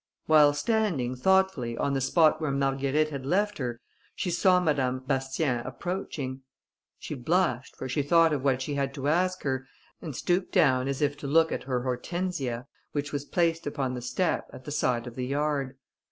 While standing, thoughtfully, on the spot where Marguerite had left her, she saw Madame Bastien approaching. She blushed, for she thought of what she had to ask her, and stooped down as if to look at her Hortensia, which was placed upon the step, at the side of the yard.